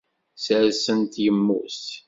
Sersen-t yemmut.